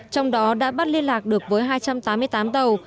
trong đó đã bắt liên lạc được với hai trăm tám mươi tám tàu